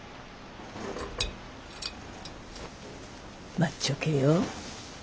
待っちょけよ。